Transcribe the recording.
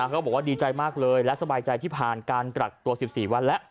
ก็บอกว่าดีใจมากเลยและสบายใจที่ผ่านการกักตัว๑๔วันแล้ว